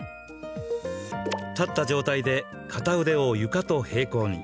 立った状態で片腕を床と平行に。